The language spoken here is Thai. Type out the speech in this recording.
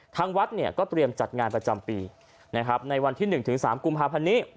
ทางวัดก็เตรียมจัดงานประจำปีในวันที่๑๓กุมภาพันธ์นี้